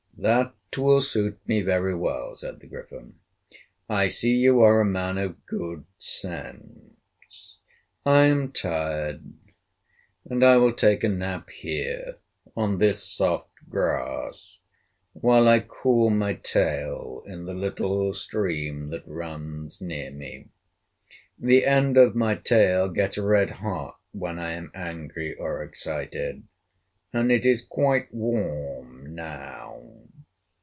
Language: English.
"That will suit me very well," said the Griffin. "I see you are a man of good sense. I am tired, and I will take a nap here on this soft grass, while I cool my tail in the little stream that runs near me. The end of my tail gets red hot when I am angry or excited, and it is quite warm now.